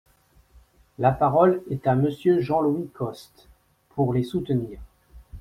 La parole est à Monsieur Jean-Louis Costes, pour les soutenir.